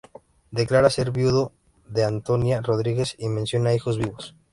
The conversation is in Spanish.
Declara ser viudo de Antonia Rodríguez y no menciona hijos vivos.